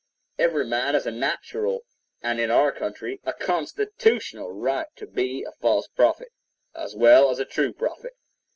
Every man has a natural, and, in our country, a constitutional right to be a false prophet, as well as a true prophet.